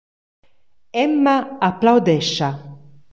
Emma applaudescha.